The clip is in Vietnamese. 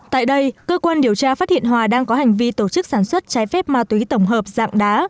tại đây cơ quan điều tra phát hiện hòa đang có hành vi tổ chức sản xuất trái phép ma túy tổng hợp dạng đá